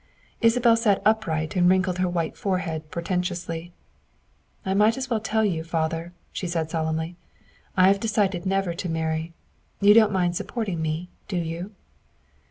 '' Isabel sat upright and wrinkled her white forehead portentously. " I might as well tell you, father," she said solemnly, " I have decided never to marry. You don't mind sup porting me, do you?"